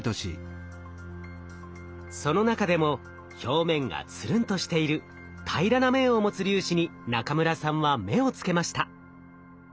その中でも表面がつるんとしている平らな面を持つ粒子に中村さんは目をつけました。